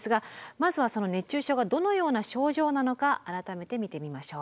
まずはその熱中症がどのような症状なのか改めて見てみましょう。